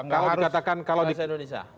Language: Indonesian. kalau dikatakan bahasa indonesia